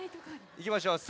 いきましょう。